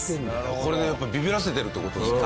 これでやっぱビビらせてるって事ですか？